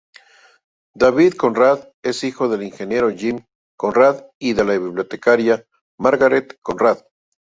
David Conrad es hijo del ingeniero Jim Conrad y de la bibliotecaria Margaret Conrad.